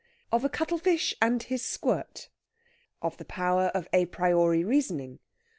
OF A CUTTLE FISH AND HIS SQUIRT. OF THE POWER OF A PRIORI REASONING.